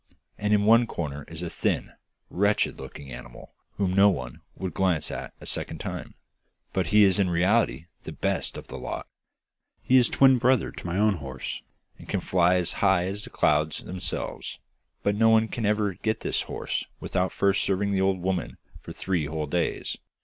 And in one corner is a thin, wretched looking animal whom no one would glance at a second time, but he is in reality the best of the lot. He is twin brother to my own horse, and can fly as high as the clouds themselves. But no one can ever get this horse without first serving the old woman for three whole days.